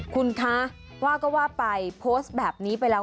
คุณคะว่าก็ว่าไปโพสต์แบบนี้ไปแล้ว